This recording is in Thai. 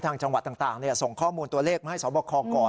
ทางจังหวัดต่างเนี้ยส่งข้อมูลตัวเลขมาให้สบขก่อน